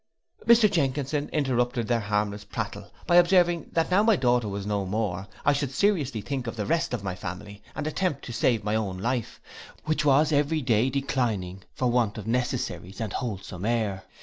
Mr Jenkinson interupted their harmless prattle, by observing that now my daughter was no more, I should seriously think of the rest of my family, and attempt to save my own life, which was every day declining, for want of necessaries and wholesome air.